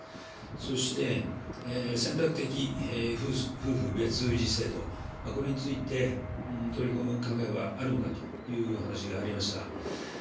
そして、選択的夫婦別氏制度、これについて取り組む考えはあるのかという話がありました。